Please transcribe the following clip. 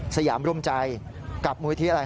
สยามร่วมใจกับมหวยธิอะไร